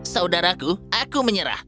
saudaraku aku menyerah